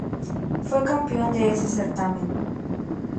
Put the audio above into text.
Fue campeón de ese certamen.